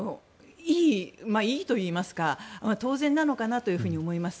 いいといいますか当然なのかなと思います。